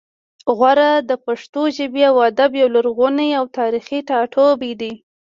غور د پښتو ژبې او ادب یو لرغونی او تاریخي ټاټوبی دی